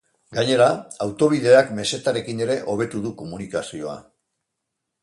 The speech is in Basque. Gainera, autobideak mesetarekin ere hobetu du komunikazioa.